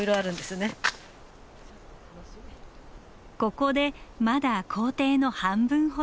ここでまだ行程の半分ほど。